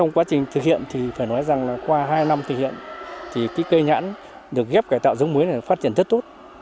qua hai năm thực hiện cây nhãn được ghép cải tạo giống muối này phát triển rất tốt